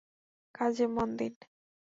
কাজে মন দিন!